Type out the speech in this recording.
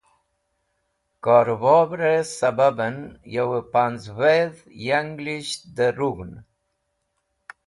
Korubore sababen Yowey Panz~vedh yanlisht de Rug̃hn